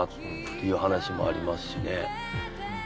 いう話もありますしね。